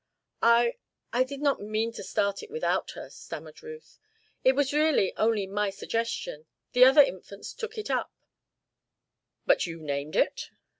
"I I did not mean to start it without her," stammered Ruth. "It was really only my suggestion. The other Infants took it up " "But you named it?"